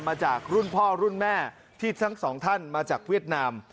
มาจากรุ่นพ่อรุ่นแม่ที่ทั้งสองท่านมาจากเวียดนาม